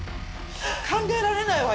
考えられないわよ！